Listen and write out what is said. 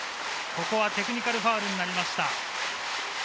ここはテクニカルファウルになりました。